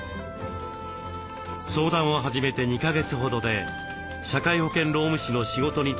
相談を始めて２か月ほどで社会保険労務士の仕事に就くことができ